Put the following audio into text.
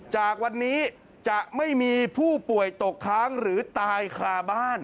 จากวันนี้จะไม่มีผู้ป่วยตกค้างหรือตายคาบ้าน